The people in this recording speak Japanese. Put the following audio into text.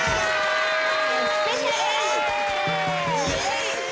イエイ！